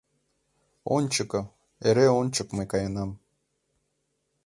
Ончыко, эре ончык мый каенам